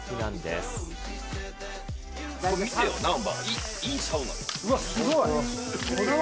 すごい。